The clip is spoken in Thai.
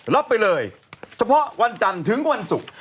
รับไปเลยเฉพาะวันจันทร์ถึงวันศุกร์